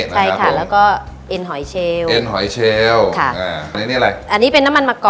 ใช่ค่ะแล้วก็เอ็นหอยเชลเอ็นหอยเชลค่ะอ่าอันนี้อะไรอันนี้เป็นน้ำมันมะกอก